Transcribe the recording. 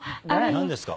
何ですか？